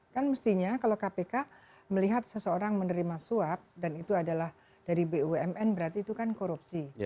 kan mestinya kalau kpk melihat seseorang menerima suap dan itu adalah dari bumn berarti itu kan korupsi